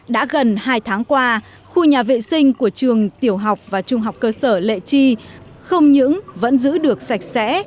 đã gần hai tháng qua khu nhà vệ sinh của trường tiểu học và trung học cơ sở lệ chi không những vẫn giữ được sạch sẽ